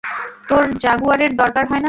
তোর জাগুয়ারের দরকার হয় না।